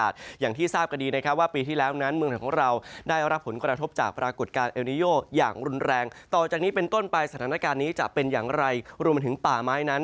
สถานการณ์นี้จะเป็นอย่างไรรวมถึงป่าไม้นั้น